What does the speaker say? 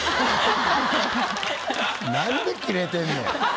なんでキレてんねん。